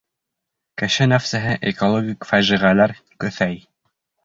КЕШЕ НӘФСЕҺЕ ЭКОЛОГИК ФАЖИҒӘЛӘР КӨҪӘЙ